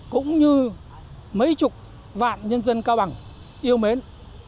cũng như mấy chục vạn nhân dân cao bằng yêu mến